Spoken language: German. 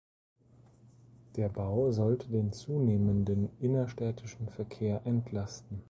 Der Bau sollte den zunehmenden innerstädtischen Verkehr entlasten.